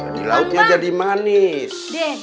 jadi lauknya jadi manis